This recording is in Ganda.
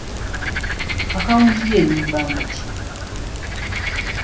Akaawunti yo eri mu banka ki?